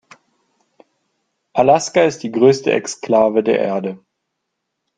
Alaska ist die größte Exklave der Erde.